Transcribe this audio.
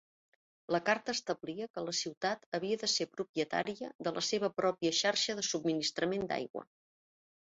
La carta establia que la ciutat havia de ser propietària de la seva pròpia xarxa de subministrament d'aigua.